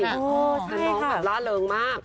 ราใช่ครับราเมิกมาก